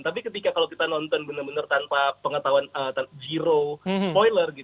tapi ketika kalau kita nonton benar benar tanpa pengetahuan zero poiler